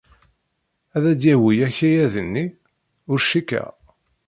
Ad d-yawey akayad-nni? Ur cikkeɣ.